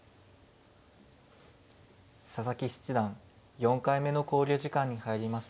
佐々木七段４回目の考慮時間に入りました。